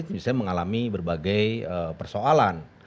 tentu saja mengalami berbagai persoalan